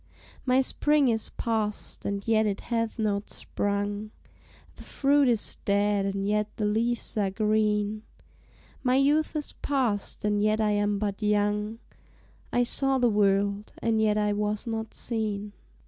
My spring is past, and yet it hath not sprung, The fruit is dead, and yet the leaves are green, My youth is past, and yet I am but young, I saw the world, and yet I was not seen.